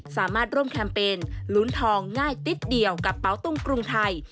สามารถร่วมแคมเปญลุ้นทองง่ายติ๊ดเดียวกับเป๋าตุ้งกรุงไทย